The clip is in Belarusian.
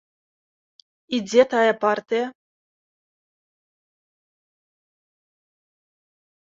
І дзе тая партыя?